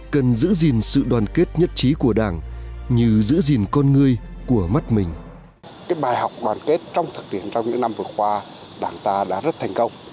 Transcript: cần giữ gìn sự đoàn kết nhất trí của đảng như giữ gìn con người của mất mình